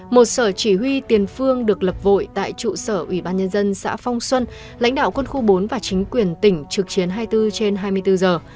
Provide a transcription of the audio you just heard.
một sở chỉ huy tiền phương được lập vội tại trụ sở ủy ban nhân dân xã phong xuân lãnh đạo quân khu bốn và chính quyền tỉnh trực chiến hai mươi bốn trên hai mươi bốn giờ